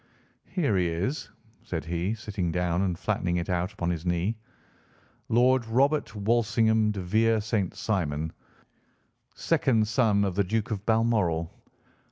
"Here he is," said he, sitting down and flattening it out upon his knee. "'Lord Robert Walsingham de Vere St. Simon, second son of the Duke of Balmoral.